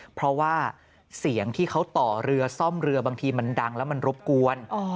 เพราะว่าเสียงที่เขาต่อเรือซ่อมเรือบางทีมันดังแล้วมันรบกวน